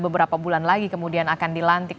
beberapa bulan lagi kemudian akan dilantik